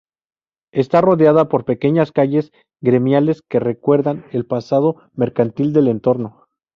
Está rodeada por pequeñas calles gremiales que recuerdan el pasado mercantil del entorno.